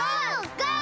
ゴー！